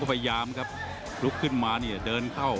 ผลักเลี่ยน